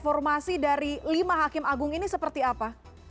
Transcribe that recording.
informasi dari lima hakim agung ini seperti apa